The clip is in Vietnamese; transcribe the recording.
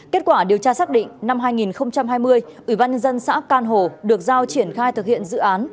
kết quả điều tra xác định năm hai nghìn hai mươi ubnd xã can hồ được giao triển khai thực hiện dự án